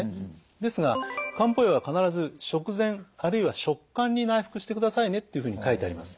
ですが漢方薬は必ず食前あるいは食間に内服してくださいねっていうふうに書いてあります。